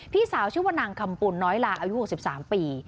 พี่สาวชื่อว่านางคำปุ่นน้อยลาอายุ๖๓ปี